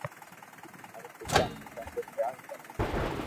مارو پيتا مني ڌاڌو پيار ڪري ھي